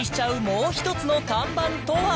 もう一つの看板とは？